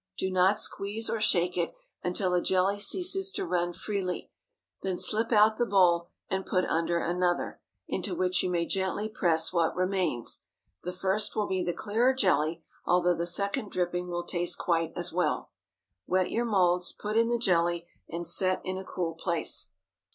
Do not squeeze or shake it, until the jelly ceases to run freely; then slip out the bowl, and put under another, into which you may gently press what remains. The first will be the clearer jelly, although the second dripping will taste quite as well. Wet your moulds, put in the jelly, and set in a cool place.